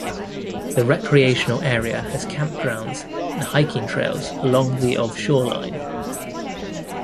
The recreational area has campgrounds and hiking trails along the of shoreline.